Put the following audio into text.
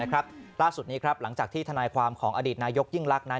ล่าสุดนี้หลังจากที่ทนายความของอดีตนายกยิ่งรักนั้น